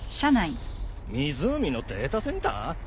湖のデータセンター？